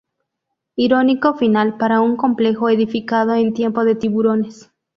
Irónico final para un complejo edificado en tiempo de tiburones.